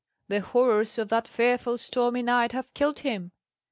the horrors of that fearful stormy night have killed him!"